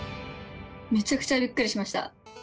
めちゃくちゃびっくりしました。